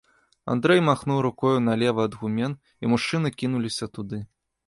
Андрэй махнуў рукою налева ад гумен, і мужчыны кінуліся туды.